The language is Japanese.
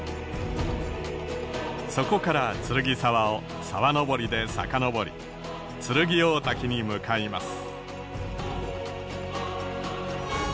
そこから剱沢を沢登りで遡り剱大滝に向かいます。